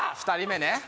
２人目ね